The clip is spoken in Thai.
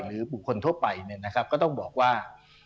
หรือบุคคลทั่วไปเนี่ยนะครับก็ต้องบอกว่า